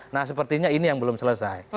nah sepertinya ini yang belum selesai